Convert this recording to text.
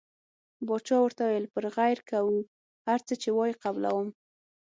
باچا ورته وویل پر غیر کوو هر څه چې وایې قبلووم.